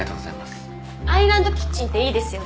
アイランドキッチンっていいですよね。